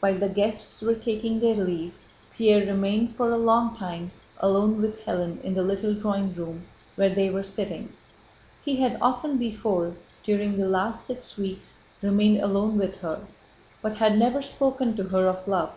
While the guests were taking their leave Pierre remained for a long time alone with Hélène in the little drawing room where they were sitting. He had often before, during the last six weeks, remained alone with her, but had never spoken to her of love.